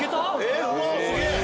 ええっうわすげぇ。